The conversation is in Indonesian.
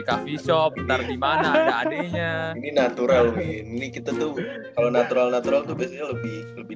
cafe shop ntar di mana ada adeknya ini natural ini kita tuh kalau natural natural lebih lebih